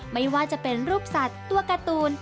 ไม่ว่าจะเป็นรูปสัตว์ตัวการ์ตูน